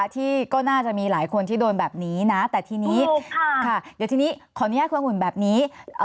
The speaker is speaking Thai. ที่ก็น่าจะมีหลายคนที่โดนแบบนี้นะแต่ทีนี้ค่ะเดี๋ยวทีนี้ขออนุญาตเครื่องอุ่นแบบนี้